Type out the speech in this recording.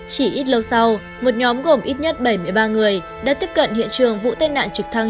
chỉ ít lâu sau một nhóm gồm ít nhất bảy mươi ba người đã tiếp cận hiện trường vụ tai nạn trực thăng